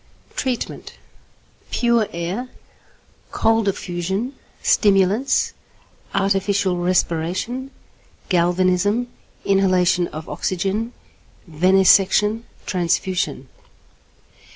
Treatment. Pure air, cold affusion, stimulants, artificial respiration, galvanism, inhalation of oxygen, venesection, transfusion.